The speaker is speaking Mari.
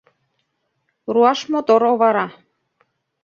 Руаш мотор овара.